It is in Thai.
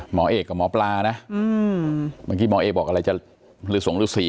หมอเอกกับหมอปลานะหมอเอกบอกอะไรจะหลืดสงหรือสี